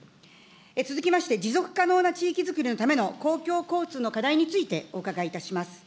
続きまして、持続可能な地域づくりのための公共交通の課題についてお伺いいたします。